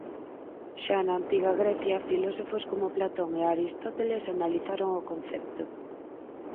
Xa na antiga Grecia filósofos como Platón e Aristóteles analizaron o concepto.